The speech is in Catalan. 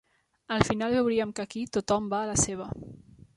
Al final veuríem que aquí tothom va a la seva.